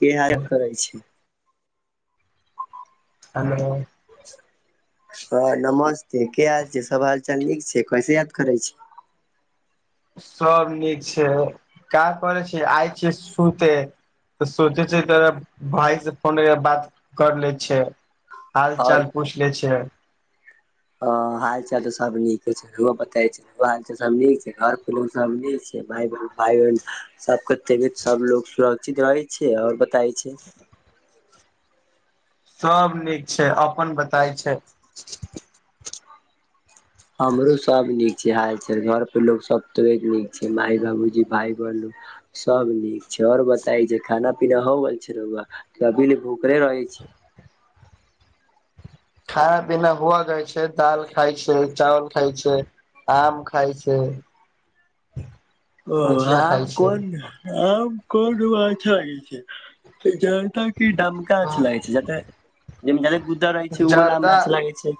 किराहत करै छै हेलो सोर नमस्ते कि हाल छै सभ हाल चाल नीक छै कैसे याद करै छी। सोब नीक छै का करै छि आए छियै सुते तऽ सोचे छै तऽ भाइ से फोन ले बात कर ले छै हाल आओर चाल पूछ ले छिये हाल चाल तऽ सभ नीके अछि राऊआ बताई छै हाल चाल सभ नीक छै घर पर सभ नीक छै भाइ बहैन भाय बन सभके तबैत सभ लोग सुरक्षित रहै छै और बताइ छै सभ नीक छै अपन बताय छै हमरो सभ नीक छै हाल चाल घर पर लोग सभ तो नीक छै माय बाबूजी भाय बहिनू सभ नीक छै ओर बताई छै खाना पीना हो गेल छै राऊआ अभी ले भूखले रहै छै खाना पीना भो गेल छै दाल खाय छै चावल खाय छै। आम खाय छैये ओ आम कोन आम कोन वला खाय छैये [unintelligible] जाहिमे दलित गुदा रहै छै आहु ले जर्दा मैच लागे छै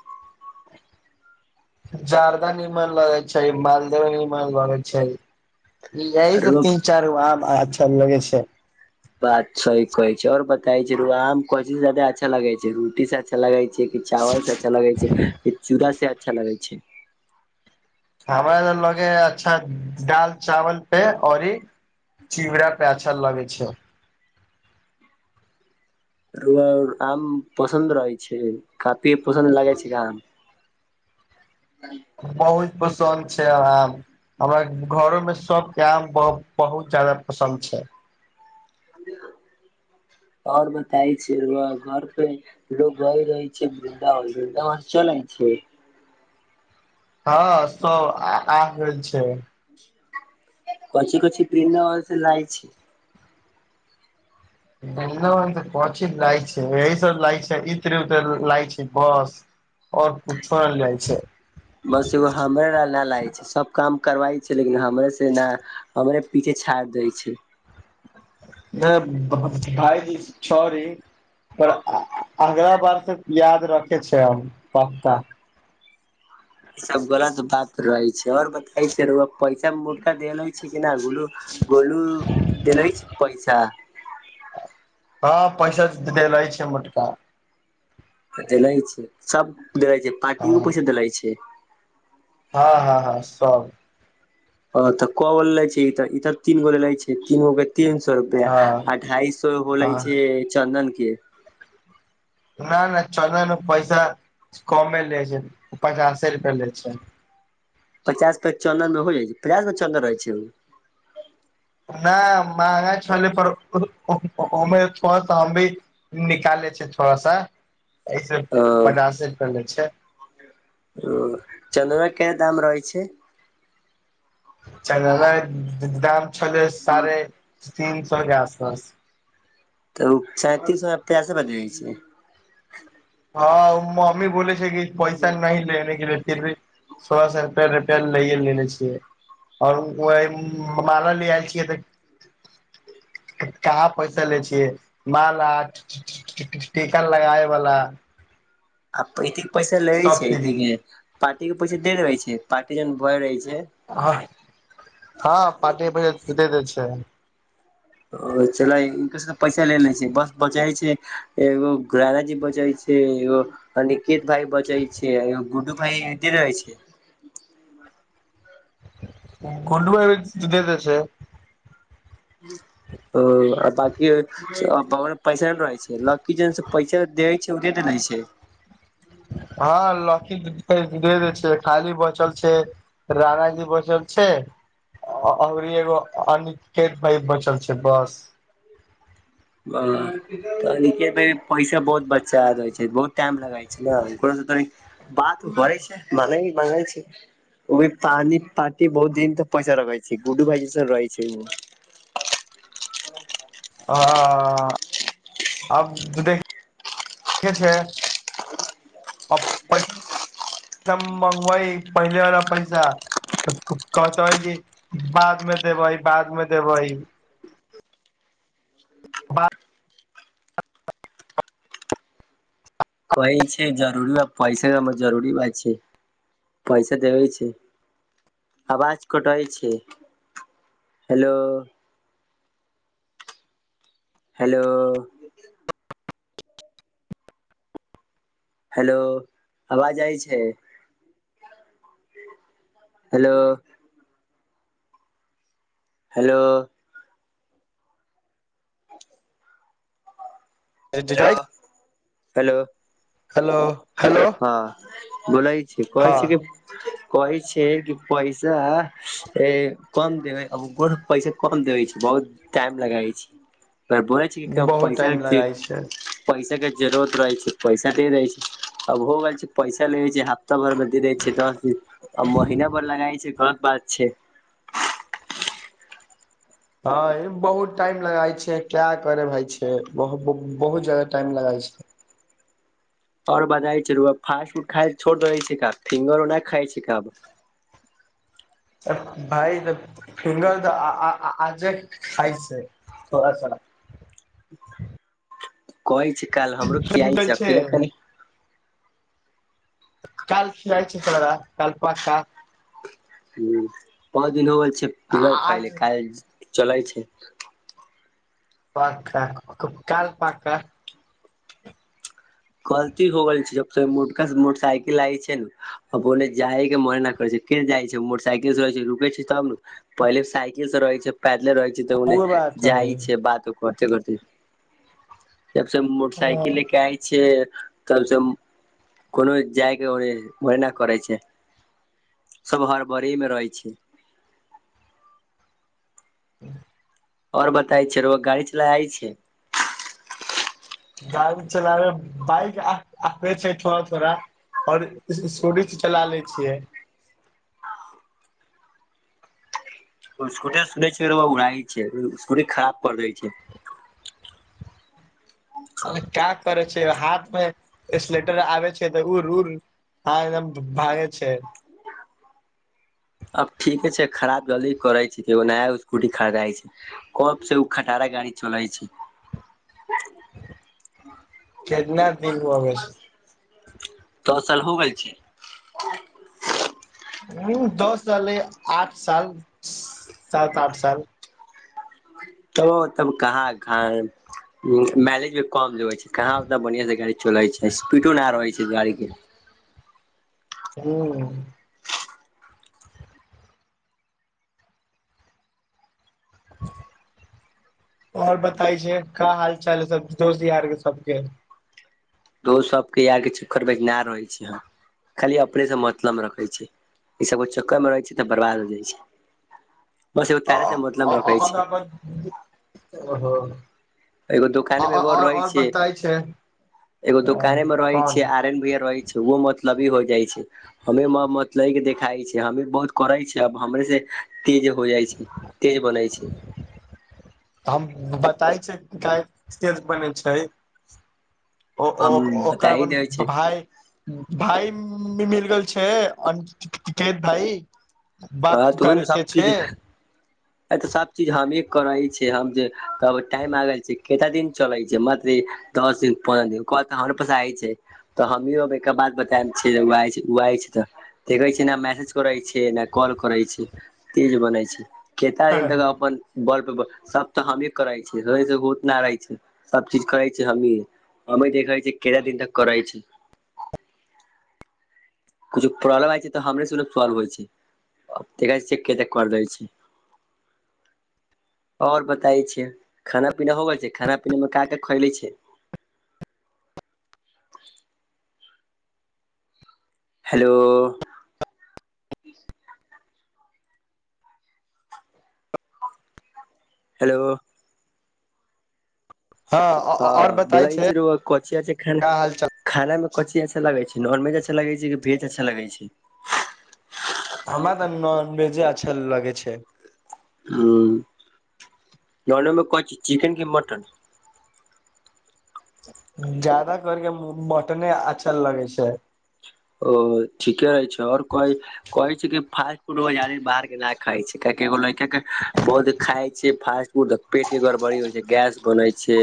जारदा निमन लगैत छै मालदा निमन लगैत छै। यही सभ आरो तीन चार गो आम अच्छा लगै छै बात सही कहै छै और बताय जे रुआम कौथी साथे अच्छा लगे छै रोटी साथे लगे छै। जै की चावल से अच्छा लगे छै कि चूड़ा से अच्छा लगे छै। हमरा लऽ लगे अच्छा दाल चावल पे औरी। चूड़ा पे अच्छा लगे छै। आम पसन्द रहै छैय काफी पसन्द लागै छैय आम। ह बहुत पसन्द छैय हमरा हमरा घरो मे सभ के आम बहुत -बहुत जादा पसन्द छैय। [inaudible] ओर बताै छै घर पे लोक गइ रहै छै वृंदावन, वृंदावन चोल आइ छै। ह सभ आ गेल छै। कथी कथी वृंदावन से लाये छै। वन्दावन कथी लाय छै, यही सभ लाये छै इत्र वित्र लाये छै बस। और कुछौ नै लाये छै। बस एगो हमरा ना ला ने लाये छै सोब काम करवाय छै लेकिन हमरे से न हमरे। पीछे छाड़ दय छै। है भाईजी सॉरी। पर अगला बार से याद रखे छै पक्का। ई सभ गलत बात रहे छै और बताय छै रऊआ पैसा मुटका देल अछि कि ने गोलू गोलू देने अछि पैसा। हैं पैसा देल अछि मोटका। देल अछि सभ देल अछि पार्टीयो के पैसा देल अछि। ह, ह, सभ अ तऽ क लय छि इसब तीन गोरे रहय छै। तीन सो रुपया हँ अढ़ाई सौ होलेय हँ छैय चन्दन के। ना, ना चंदन मै पैसा कमे लेय छैय पचासे रुपया लेय छैय। पचास पे चन्दन में हो जाइ छै पचास पे चन्दन रहै छै नहि महगा छलै पर ओमे छौ सौ हम भी निकाले छै थोड़ा सा एहिसे ओ पंडाल सेट कैल जाइ छै ओ चनरा कऽ दाम रहै छै चनरा दाम छलै साढ़े तीन सौ कऽ आसपास तऽ उ [unintelligible] हँ उ मम्मी बोले छै कि पैसा नहि लेने के लिए फिर भी सवा सौ रुपया रहै लैेये लेने छियै अओर उ आइ मार‍ऽले आयल छियै तऽ कहाँ पैसा लै छियै माला टी टी टीका लगाए बला भरि दिन बैसल रहे सब छै फ्री ठीके पार्टी के पैसा दे रहे छै पार्टी जखन भरल रहे छै हँ हँ पार्टी कऽ पैसा दे दै छै चल इनको से पैसा ले ले छै बस बचै छै एगो गाना जी बचै छै एगो अनिकेत भाय बजै छै एगो गुड्डू भाई एत्ते रहै छै गुडु ऐब जाइ छै तऽ दे देय छैय ओ आ बाकी ब पैसा रहै छै लकड़ी जन पैसा देै छै ओ दे देे छै हँ लकी पैसा दे दै छै खाली बचल छैय राधाजी बचल छै अनरि एगो अनिकेत भाई बचल छै बस ह अनिकेत भाई पैसा बहुत बच्चा दइ छै बहुत टाइम लगइ छै नऽ ओकरा त बात करइ छै मने नइ मनै छै ओमे पानी पाटी बहुत दिन तक पैसा रखै छै गुड्डू भाइजी सब रहै छै अँ आब [unintelligible] छै आब पैसा मगबइ पहिले वला पैसा कहते कि बाद मे देबै बाद मे देबै बा कहय छै जरूरी ब पैसे जरूरी ब छै पैसा देबै छै आवाज कटय छै हेलो हेलो हेलो अवाज जाइ छै हेलो हेलो [unintelligible] हेलो जाइ हेलो हेलो हेलो हँ बोलै छी कहै छी कि [inaudible] कहै छै कि पैसा ए कम देबै पैसा कम देबे छै बहुत टाइम लगै छी बोलै छी कि बहुत पैसा टाइम क लगाइ छै पैसा के जरूरत रहे छै पैसा दे देे छै अब हो गेल छै पैसा लेे छै अहा अक्टूबर मे द दै छै दस दिन महीना भर लगाई छै गलत बात छै ह बहुत टाइम लगाय छै क्या करे भाय छै बहुत जदा टाइम लगाय छै और बतै चलू आब फास्ट फूड खाय छोड़ देबइ छै का फिंगरो नहि खाइ छै का अब भाइ तऽ फिंगर तऽ अ-अ-आजे खाई छै थोड़ा थोड़ा कोहै छी काईल हमरो खियाइ छै अकेले अकेला काइल खियाइ छी तोरा कल पक्का हं पाँच दिन होल छै फिंगर खइले आज कैल चलै छै पक्का काइल पक्का गलती हो गेल छै जब सऽ मोटका मोटर साइकिल आय छै ने आ ओने जाइके मन नहि करै छै के जाइ छै मोटरसाइकिल स छै रुकै छै तब नऽ पहिले साइकिल से रहै छै पैदले रहै छै कतऽ ओने ओ बात हइ जाइ छै बात कोरते करते जब से मोटरसाइकिल लेके आइ छिय तब सऽ कोनो जाइके अहि ओहिना करै छै सब हरबरि में रहै छैय [unintelligible] ओर बताय छै रौआ गाड़ी चलाय आबे छै गाड़ी चलाबे बाइक अ-आे छै थोड़ा थोड़ा ओर स्-स्कुटी चला ले छियै स्कुटर सुनै छै राऊआ उडाई छै स्कुटी खराब कअ दै छै का करै छै हाथमे स्लेटर आबय छै तऽ ओ उइर उइर हँ एकदम भागय छै अब ठीके छै खराब लेल करै छै एगो नया स्कूटी खरदाइ छै कोब सऽ ओ खटारा गाड़ी चलै छै केतना दिन भौ गेल दस साल हो गेल छै हू दस साल रहलय आठ साल स् सात आठ साल तो तब कहाँ [unintelligible] माइलेज भी कम लगे छै। कहाँ उतना बढ़ियां से गाड़ी चलै छै। स्पीडो न रहै छै। गाड़ी के हू। आओर बताय छै का हाल चाल सब दोस्त यार के सबके दोस्त सबके यार के चक्कर में ना रहै छै हम खाली अपनेे से मतलब रखे छी ई सब कऽ चक्कर मे रहै छि तऽ बर्बाद हो जाइ छी रखै छै [unintelligible] एगो दुकान मऽ एगोर और रहै और छिय। बताय छै एगो दुकाने मे रहै कोन छै। आर एन भैया रहै छै। ओहो मतलबी हो जाइ छै। हमे मतले के देखाइ छै। हमे बहुत करै छै। अब हमरे से तेज हो जाइ छै। तेज बनाय छै। हम बताय छै। काहे तेज बनै छै। ओ ओ हम ओकर बताइ अपन देै छै भाय भाय मिल गेल छै अनिकेत भइ बात हँ तऽ उहे ने करैके सब छै। चीज तऽ सब चीज हमे करै छियै। हम जे तब टाइम आल छै। कतना दिन चलै छै। मते दस दिन पन्द्रह दिन कह तऽ हमरो पास आ छै। तऽ हमही अब एक बात बताय छियै। तऽ देखय छियै न मैसेज करै छै। न कॉल करै छै। तेज बनै छै। केता हँ दिन तक अपन बल पर ब सब तऽ हमही करै छियै [unintelligible] नहि रहै छै। सब चीज करै छी हमहीं हमे देखाइ छी। केरा दिन तक करय छी। कुछो प्रॉब्लम आइ छै। तऽ हमरे सु न साॅल्व होइ छै। देखै छियै कतेक कर दै छै। आओर बताइ छियै। खाना पीना हो गेल छै। खाना पीना मे का का खइले छियै। हेलो। हेलो। हँ आओर बताय बोलै छै छी रौआ कचिया छै खाना क्या हाल चाल खाना मे कची अचछा लगै छै? नॉनवेज अच्छा लगै छै, की भेज अच्छा लागै छै। हमरा तऽ नॉनवेजे अच्छा लगे छै। हुँ नाॅनमे कौ चीज चिकेन कि मटन? जादा करके मटने अच्छा लगै छै। ओ ठीके रहै छै। आओर कहै छै। फास्ट फूड बाहर के ना खाइ छै काहेकि एगो लइका के बहुत जे खाय छियै फास्ट फुड पेट के गड़बड़ी होइ छै। गैस बनै छै।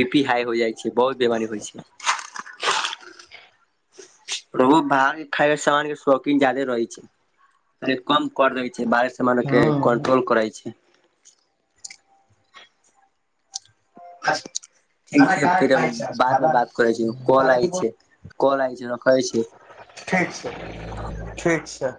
बी पी हाइ हो जाइ छै। छै बहुत बीमारी होइ छै। रोहु बाहरके खाइबला सामानके शौकीन जादे रहै छै। तै कम कर दै छै। बाहर के समान के ह कंट्रोल करै छियै। [inaudible] ठीक खाना छै। कहाँ फेर हम खाइ छै बाद मे खाना बात करै छी। काॅल आय छी काॅल आय छै रखै छी। ठीक छै, ठीक छै।